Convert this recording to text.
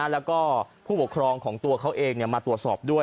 แล้วก็ผู้ปกครองของตัวเขาเองมาตรวจสอบด้วย